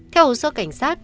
theo hồ sơ cảnh sát